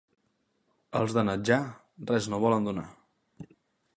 Els de Natjà, res no volen donar.